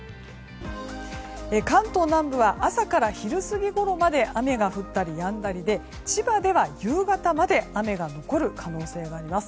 関東南部は朝から昼過ぎごろまで雨が降ったりやんだりで千葉では夕方まで雨が残る可能性があります。